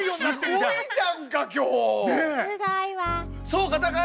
そうか。